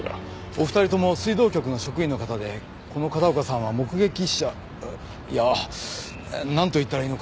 お二人共水道局の職員の方でこの片岡さんは目撃者いやなんと言ったらいいのか。